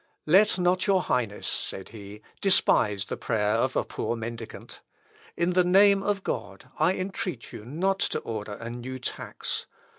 "Let not your Highness," said he, "despise the prayer of a poor mendicant. In the name of God I entreat you not to order a new tax.